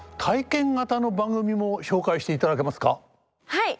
はい！